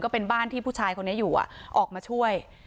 เป็นบ้านที่ผู้ชายคนนี้อยู่ออกมาช่วย